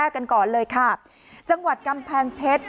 กันก่อนเลยค่ะจังหวัดกำแพงเพชร